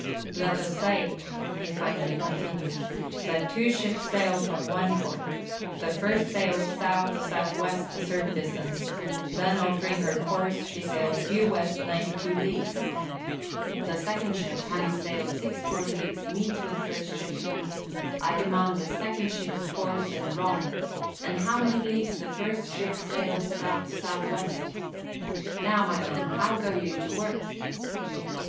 "Let us say," he finally continued, "that two ships sail from one port. The first sails south south west a certain distance; then altering her course, she sails due west ninety two leagues. The second ship, having sailed six score leagues, meets with the first ship. I demand the second ship's course and rhomb, and how many leagues the first ship sailed south south west. Now, my man, how go you to work?"